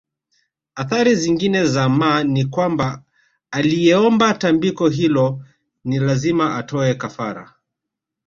Athari zingine za mma ni kwamba aliyeomba tambiko hilo ni lazima atoe kafara